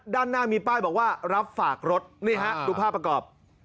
ด้านหน้ามีป้ายบอกว่ารับฝากรถนี่ฮะดูภาพประกอบ